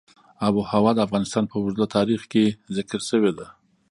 آب وهوا د افغانستان په اوږده تاریخ کې ذکر شوې ده.